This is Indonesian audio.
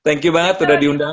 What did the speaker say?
thank you banget udah diundang